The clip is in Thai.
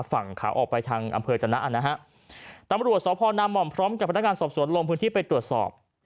ฝั่งขาออกไปทางอำเภอจนะนะฮะตำรวจสพนามหม่อมพร้อมกับพนักงานสอบสวนลงพื้นที่ไปตรวจสอบ